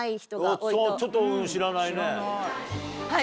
ちょっと知らないね。